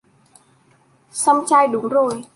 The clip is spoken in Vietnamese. Song trai đúng rồi